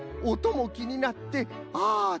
おともきになってああ